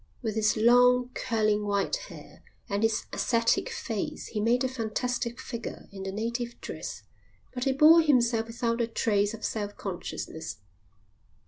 With his long, curling white hair and his ascetic face he made a fantastic figure in the native dress, but he bore himself without a trace of self consciousness.